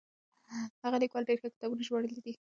هغه ليکوال ډېر ښه کتابونه ژباړلي دي.